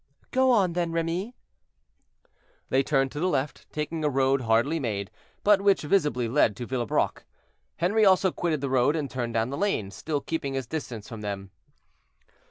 "Go on, then, Remy." They turned to the left, taking a road hardly made, but which visibly led to Villebrock; Henri also quitted the road, and turned down the lane, still keeping his distance from them.